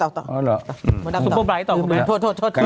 มันต่อซุปเปอร์ไปร์ไลนี่ต่อกันไหม